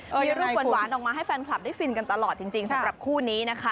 มีรูปหวานออกมาให้แฟนคลับได้ฟินกันตลอดจริงสำหรับคู่นี้นะคะ